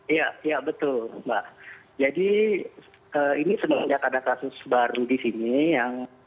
iya betul mbak jadi ini semenjak ada kasus baru di sini yang